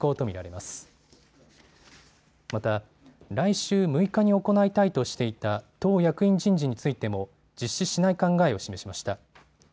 また、来週６日に行いたいとしていた党役員人事についても実施しない考えを示しました。